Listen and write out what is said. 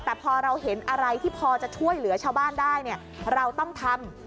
แต่พอเราเห็นอะไรที่พอจะช่วยเหลือชาวบ้านได้เนี่ยเราต้องทำ